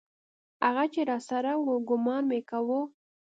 هغه چې راسره و ګومان مې کاوه.